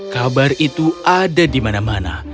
kabar itu ada di mana mana